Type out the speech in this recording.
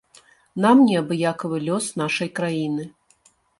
Нам неабыякавы лёс нашай краіны.